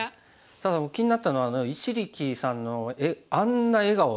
ただ僕気になったのは一力さんのあんな笑顔は。